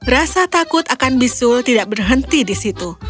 rasa takut akan bisul tidak berhenti di situ